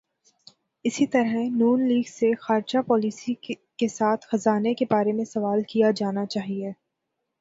اسی طرح ن لیگ سے خارجہ پالیسی کے ساتھ خزانے کے بارے میں سوال کیا جانا چاہیے۔